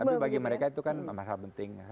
tapi bagi mereka itu kan masalah penting